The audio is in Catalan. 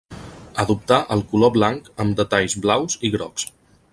Adoptà el color blanc amb detalls blaus i grocs.